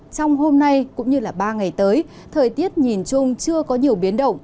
trong hôm nay cũng như ba ngày tới thời tiết nhìn chung chưa có nhiều biến động